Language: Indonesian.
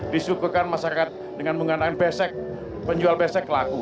disuguhkan masyarakat dengan penggunaan besek penjual besek laku